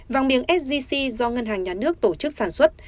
vàng miếng sgc do ngân hàng nhà nước tổ chức sản xuất